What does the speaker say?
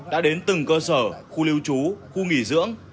đã đến từng cơ sở khu lưu trú khu nghỉ dưỡng